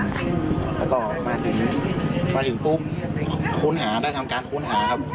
แล้วต่อมาถึงปุ๊บคุ้นหาได้ทำการคุ้นหาครับ